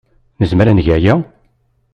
Nezmer ad neg aya?